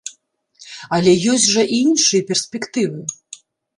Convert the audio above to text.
Але ёсць жа і іншыя перспектывы.